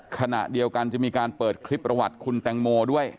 ขณะเดียวกันจะมีการเปิดคลิปประวัติคุณแตงโมด้วย